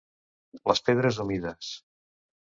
Les pedres humides.